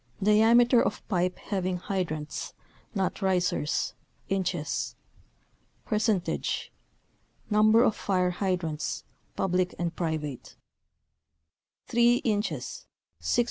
Diameter of pipe having hydrants (not risers) Percentage Number of fire hydrants, public and private Inches 3 .